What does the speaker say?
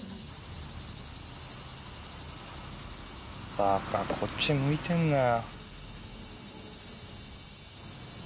馬鹿こっち向いてんなよ。